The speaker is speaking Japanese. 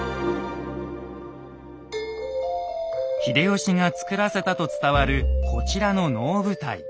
秀吉がつくらせたと伝わるこちらの能舞台。